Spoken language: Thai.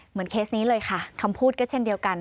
เคสนี้เลยค่ะคำพูดก็เช่นเดียวกัน